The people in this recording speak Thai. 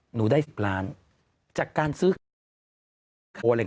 หนูได้๑๐ล้านบาทจากการซื้อของออสเตรเลีย